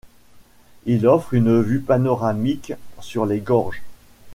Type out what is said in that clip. Il offre une vue panoramique sur les gorges.